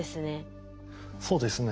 そうですね。